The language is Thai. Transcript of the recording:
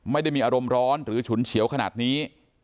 ไม่ได้มีอารมณ์ร้อนหรือฉุนเฉียวขนาดนี้